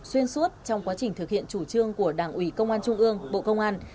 xuyên suốt trong quá trình thực hiện chủ trương của đảng ủy công an trung ương bộ công an